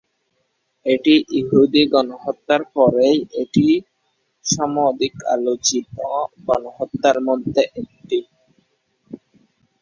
এটি ইহুদি গণহত্যার পরেই এটি সমধিক আলোচিত গণহত্যার মধ্যে একটি।